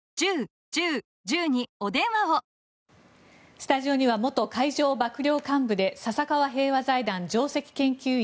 スタジオには元海上幕僚監部で笹川平和財団上席研究員